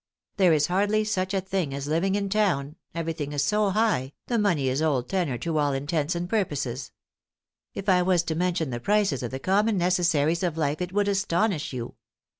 .. There is hardly such a thing as living in town, everything is so high, the money is old tenor to all intents and purposes. If I was to mention the prices of the common necessaries of life it would astonish you.